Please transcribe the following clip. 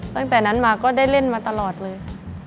ตั้งแต่นั้นมาก็ได้เล่นมาตลอดเลย